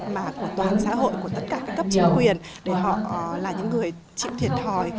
mà của toàn xã hội của tất cả các cấp chính quyền để họ là những người chịu thiệt thòi